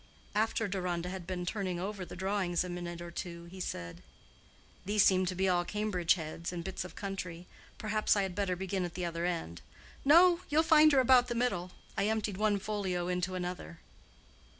After Deronda had been turning over the drawings a minute or two, he said, "These seem to be all Cambridge heads and bits of country. Perhaps I had better begin at the other end." "No; you'll find her about the middle. I emptied one folio into another."